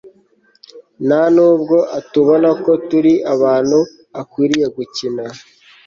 nta nubwo atubona ko turi abantu akwiriye gukina